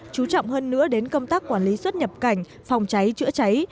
chú trọng hơn nữa đến công tác quản lý xuất nhập cảnh phòng cháy chữa cháy